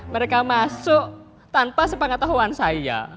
mereka masuk tanpa sepakat tahuan saya